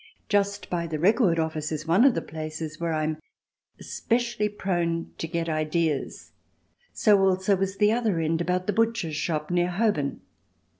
Just by the Record Office is one of the places where I am especially prone to get ideas; so also is the other end, about the butcher's shop near Holborn.